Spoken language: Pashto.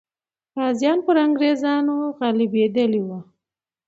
غازیان پر انګریزانو غالبېدلې وو.